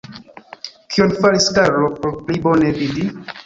Kion faris Karlo por pli bone vidi?